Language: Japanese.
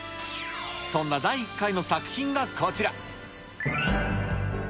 そんな第１回の作品がこちら。